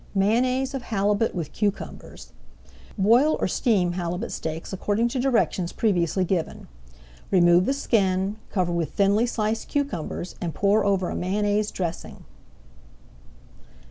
MAYONNAISE OF HALIBUT WITH CUCUMBERS Boil or steam halibut steaks according to directions previously given. Remove the skin, cover with thinly sliced cucumbers, and pour over a Mayonnaise dressing.